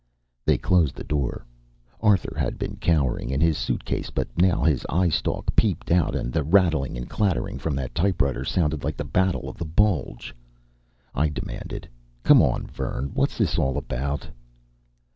They closed the door. Arthur had been cowering in his suitcase, but now his eyestalk peeped out and the rattling and clattering from that typewriter sounded like the Battle of the Bulge. I demanded: "Come on, Vern. What's this all about?"